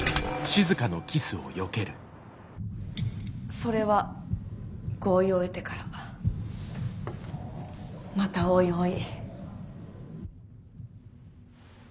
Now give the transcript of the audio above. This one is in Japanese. それは合意を得てからまたおいおい。